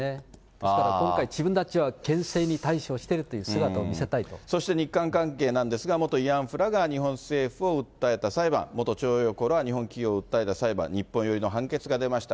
ですから今回、自分たちは厳正にそして日韓関係なんですが、元慰安婦らが日本政府を訴えた裁判、元徴用工らが日本企業を訴えた裁判、日本寄りの判決が出ました。